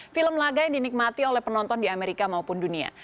film laga yang dinikmati oleh penonton di amerika maupun dunia